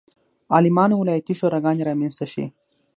عالمانو ولایتي شوراګانې رامنځته شي.